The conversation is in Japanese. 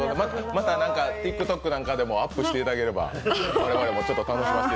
またＴｉｋＴｏｋでもアップしていただければ我々も楽しめます。